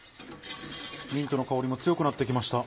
ミントの香りも強くなって来ました。